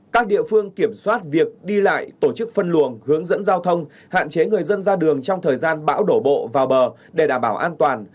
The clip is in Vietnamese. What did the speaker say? các địa phương kiểm soát việc đi lại tổ chức phân luồng hướng dẫn giao thông hạn chế người dân ra đường trong thời gian bão đổ bộ vào bờ để đảm bảo an toàn